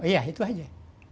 iya itu saja